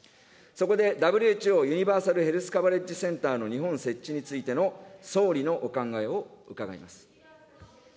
そこでＷＨＯユニバーサル・ヘルス・カバレッジセンターの日本設置についての、総理のお考えを伺います。